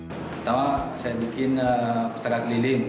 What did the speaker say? pertama saya bikin putaran keliling